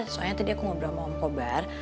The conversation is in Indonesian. soalnya tadi aku ngobrol sama om kobar